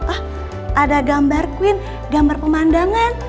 ah ada gambar queen gambar pemandangan